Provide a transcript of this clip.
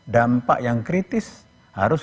dampak yang kritis harus